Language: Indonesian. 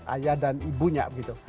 ayah dan ibunya gitu